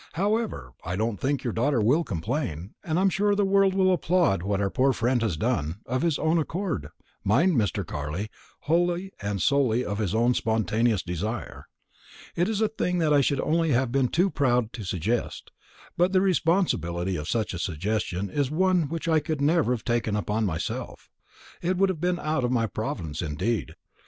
However, I don't think your daughter will complain, and I am sure the world will applaud what our poor friend has done of his own accord, mind, Mr. Carley, wholly and solely of his own spontaneous desire. It is a thing that I should only have been too proud to suggest; but the responsibility of such a suggestion is one which I could never have taken upon myself. It would have been out of my province, indeed.